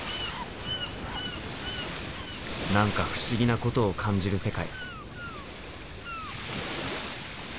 何か不思議なことを感じる世界。